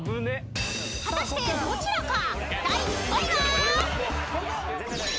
［果たしてどちらか？］